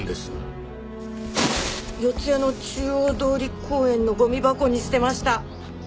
四谷の中央通り公園のゴミ箱に捨てました。